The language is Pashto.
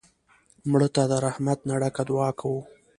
مړه ته د رحمت نه ډکه دعا کوو